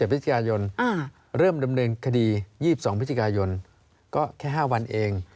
๑๗พยเริ่มดำเนินคดี๒๒พยก็แค่๕วันเอง